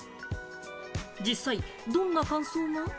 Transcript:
実際どんな感想が？